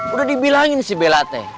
udah dibilangin sih bella teh